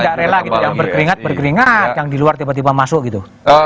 jadi enggak rela gitu yang berkeringat berkeringat yang di luar tiba tiba masuk gitu